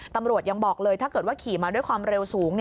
ตำรวจยังบอกเลยถ้าเกิดว่าขี่มาด้วยความเร็วสูง